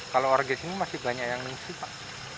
kalau orang di sini masih banyak yang mengusi pak